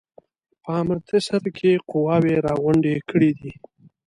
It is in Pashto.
په امرتسر کې قواوي را غونډي کړي دي.